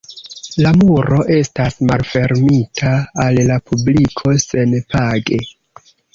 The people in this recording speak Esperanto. La muro estas malfermita al la publiko senpage.